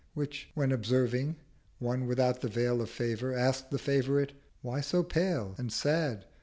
Which, when observing, one without the Veil Of Favour ask'd the Favourite—'Why so pale And sad?'